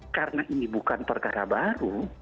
karena ini bukan perkara baru